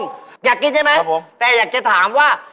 ครับผมอยากกินใช่ไหมแต่อยากจะถามว่า